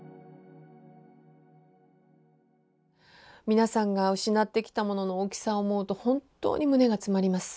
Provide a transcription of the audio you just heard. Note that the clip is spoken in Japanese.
皆さんが失ってきたものの大きさを思うと本当に胸が詰まります。